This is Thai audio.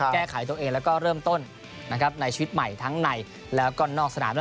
แก้ไขตัวเองแล้วก็เริ่มต้นในชีวิตใหม่ทั้งในแล้วก็นอกสนาม